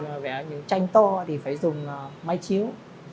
mà vẽ những tranh to thì phải dùng mái chiếu